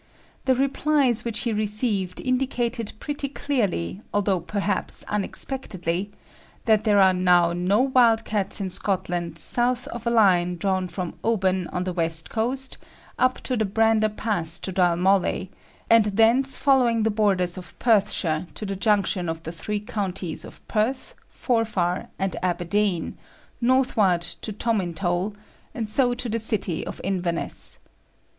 The replies which he received indicated pretty clearly, although perhaps unexpectedly, that there are now no wild cats in Scotland south of a line drawn from Oban on the west coast up the Brander Pass to Dalmally, and thence following the borders of Perthshire to the junction of the three counties of Perth, Forfar and Aberdeen, northward to Tomintoul, and so to the city of Inverness.